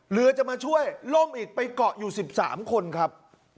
เรือจะมาช่วยล่มอีกไปเกาะอยู่๑๓คนครับ